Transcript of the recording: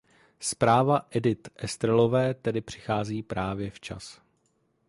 Zpráva Edite Estrelové tedy přichází právě včas.